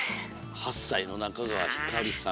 ８さいの中川ひかりさん。